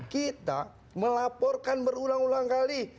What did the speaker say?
kita melaporkan berulang ulang kali